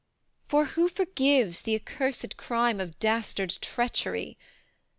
For, who forgives the accursed crime Of dastard treachery?